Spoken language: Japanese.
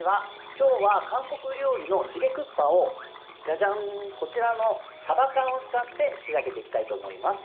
今日は韓国料理のチゲクッパをこちらの、さば缶を使って仕上げていきたいと思います。